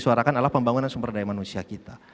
suarakan adalah pembangunan sumber daya manusia kita